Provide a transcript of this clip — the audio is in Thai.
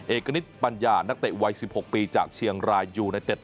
เอกณิตปัญญานักเตะวัย๑๖ปีจากเชียงรายยูไนเต็ด